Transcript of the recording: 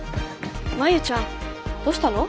真夕ちゃんどうしたの？